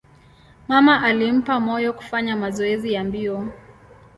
Mama alimpa moyo kufanya mazoezi ya mbio.